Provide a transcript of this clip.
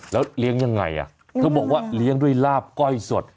แล้วเลี้ยงยังไงเธอบอกว่าเลี้ยงด้วยลาบก้อยสด